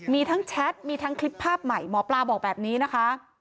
มีทั้งแชทมีทั้งคลิปภาพใหม่หมอปลาบอกแบบนี้นะคะ